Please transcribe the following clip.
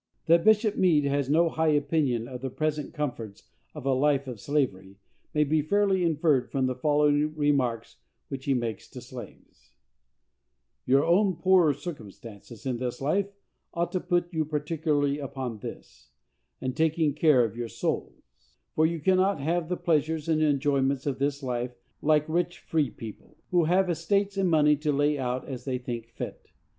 That Bishop Meade has no high opinion of the present comforts of a life of slavery, may be fairly inferred from the following remarks which he makes to slaves: Your own poor circumstances in this life ought to put you particularly upon this, and taking care of your souls; for you cannot have the pleasures and enjoyments of this life like rich free people, who have estates and money to lay out as they think fit.